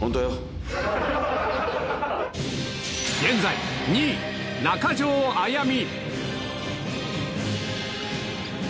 現在２位、中条あやみ。